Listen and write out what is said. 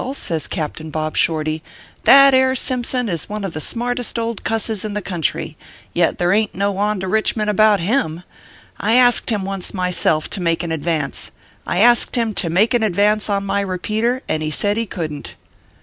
says Captain Bob Shorty, "that air Simpson is one of the smartest old cusses in the country yet there ain t no On to Kichmond about him. I asked him once, myself, to make an advance. I asked him to make an advance on my repeater, and he said he couldn t."